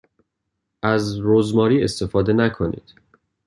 از رزماری استفاده نکنید.